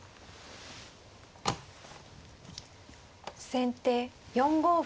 先手４五歩。